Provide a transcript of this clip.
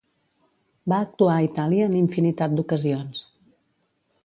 Va actuar a Itàlia en infinitat d'ocasions.